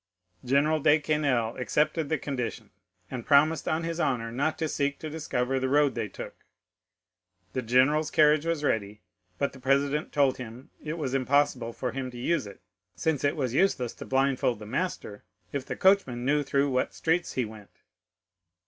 General de Quesnel accepted the condition, and promised on his honor not to seek to discover the road they took. The general's carriage was ready, but the president told him it was impossible for him to use it, since it was useless to blindfold the master if the coachman knew through what streets he went.